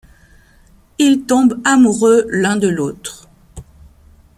Ils tombent amoureux l'un de l'autre.